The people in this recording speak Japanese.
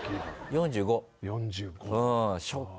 ４５。